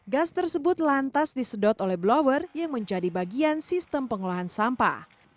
gas tersebut lantas disedot oleh blower yang menjadi bagian sistem pengolahan sampah